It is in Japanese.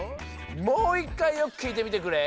もういっかいよくきいてみてくれ。